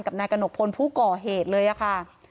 กับนายกนกพลผู้ก่อเหตุเลยค่ะ